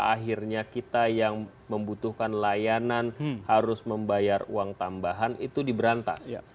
akhirnya kita yang membutuhkan layanan harus membayar uang tambahan itu diberantas